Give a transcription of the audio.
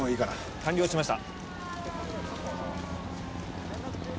完了しました。